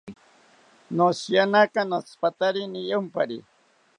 Noshiyanaka notzipatari niyompari